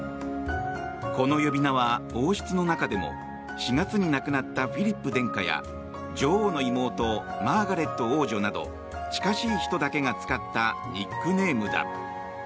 この呼び名は、王室の中でも４月に亡くなったフィリップ殿下や女王の妹マーガレット王女など近しい人だけが使ったニックネームだ。